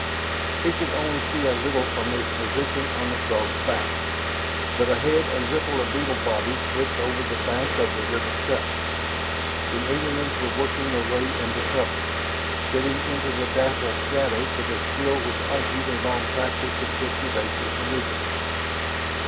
He could only see a little from his position on the Throg's back, but ahead a ripple of beetle bodies slipped over the bank of the river cut. The aliens were working their way into cover, fitting into the dapple shadows with a skill which argued a long practice in such elusive maneuvers.